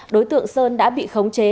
đối tượng sơn đã bị khống chế